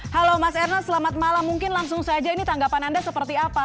halo mas ernest selamat malam mungkin langsung saja ini tanggapan anda seperti apa